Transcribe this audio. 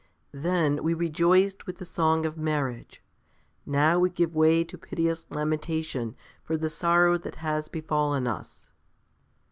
Then we rejoiced with the song of marriage, now we give way to piteous lamentation for the sorrow that has befallen us!